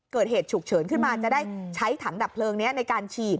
เกิดเหตุฉุกเฉินขึ้นมาจะได้ใช้ถังดับเพลิงนี้ในการฉีด